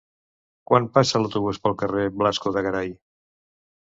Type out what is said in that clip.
Quan passa l'autobús pel carrer Blasco de Garay?